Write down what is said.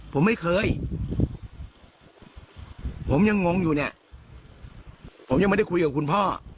ผมไม่เคยผมยังงงอยู่เนี่ยผมยังไม่ได้คุยกับคุณพ่อ